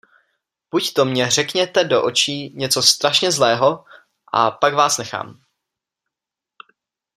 Buďto mně řekněte do očí něco strašně zlého, a pak vás nechám.